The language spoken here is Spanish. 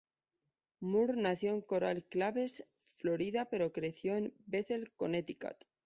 Moore nació en Coral Gables, Florida pero creció en Bethel Connecticut.